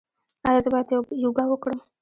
ایا زه باید یوګا وکړم؟